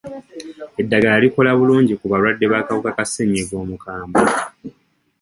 Eddagala likola bulungi ku balwadde b'akawuka ka ssenyiga omukambwe.